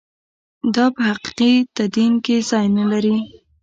دا په حقیقي تدین کې ځای نه لري.